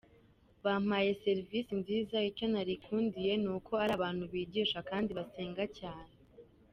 Bampaye serivisi nziza, icyo narikundiye ni uko ari abantu bigisha kandi basenga cyane.